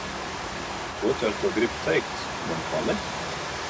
Ko tu ar to gribi teikt, tu mani pamet?